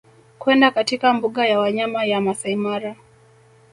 kwenda katika mbuga ya wanyama ya Masaimara